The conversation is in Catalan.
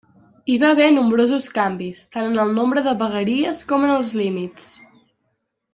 Hi va haver nombrosos canvis, tant en el nombre de vegueries com en els límits.